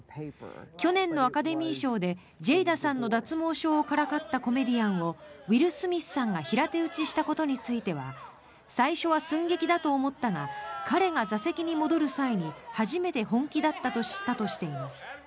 去年のアカデミー賞でジェイダさんの脱毛症をからかったコメディアンをウィル・スミスさんが平手打ちしたことについては最初は寸劇だと思ったが彼が座席に戻る際に初めて本気だったと知ったとしています。